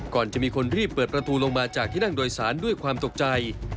ก่อนจะมีคนรีบเปิดประตูลงมาจากที่นั่งโดยสารด้วยความตกใจ